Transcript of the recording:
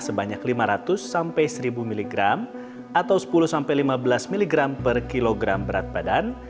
sebanyak lima ratus seribu mg atau sepuluh lima belas mg per kg berat badan